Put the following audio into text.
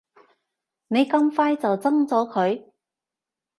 你咁快就憎咗佢